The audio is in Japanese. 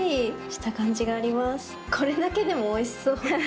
これだけでもおいしそう。